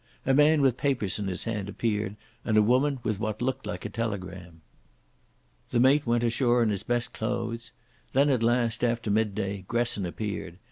A man with papers in his hand appeared, and a woman with what looked like a telegram. The mate went ashore in his best clothes. Then at last, after midday, Gresson appeared.